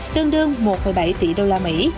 tương đương một bảy tỷ usd